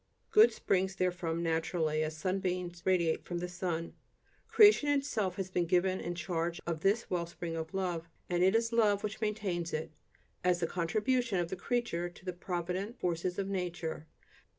Good springs therefrom naturally, as sunbeams radiate from the sun. Creation itself has been given in charge of this wellspring of love, and it is love which maintains it, as the contribution of the creature to the provident forces of nature.